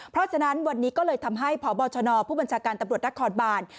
เพราะฉะนั้นวันนี้ก็เลยทำให้พบชนผู้บัญชาการตำรวจนครบาน